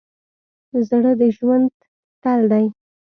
زړه د ژوند تل دی.